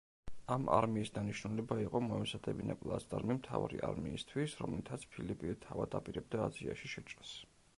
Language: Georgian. ამ არმიის დანიშნულება იყო მოემზადებინა პლაცდარმი მთავარი არმიისთვის, რომლითაც ფილიპე თავად აპირებდა აზიაში შეჭრას.